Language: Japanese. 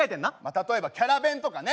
例えばキャラ弁とかね。